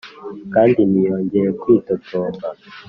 kandi ntiyongeye kwitotomba.